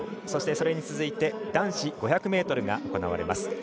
そして、それに続いて男子５００ｍが行われます。